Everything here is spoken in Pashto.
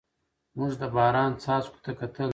موږ د باران څاڅکو ته کتل.